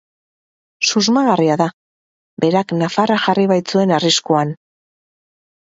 Susmagarria da, berak nafarra jarri baitzuen arriskuan.